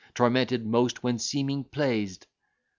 Tormented most when seeming pleased!"